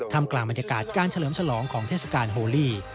กลางบรรยากาศการเฉลิมฉลองของเทศกาลโบลี่